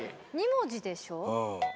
２文字でしょう。